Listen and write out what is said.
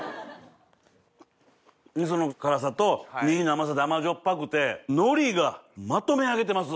味噌の辛さとねぎの甘さで甘じょっぱくて海苔がまとめ上げてます！